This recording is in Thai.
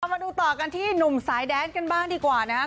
มาดูต่อกันที่หนุ่มสายแดนกันบ้างดีกว่านะครับ